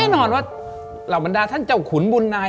แน่นอนว่าเหล่าบรรดาท่านเจ้าขุนบุญนาย